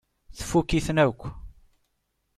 Tfukk-itent akk.